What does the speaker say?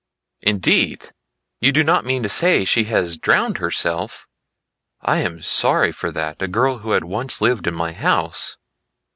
"Indeed! You do not mean to say she has drowned herself? I am sorry for that, a girl who had once lived in my house.